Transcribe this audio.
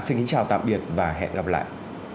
xin kính chào tạm biệt và hẹn gặp lại